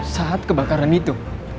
saat kebakaran itu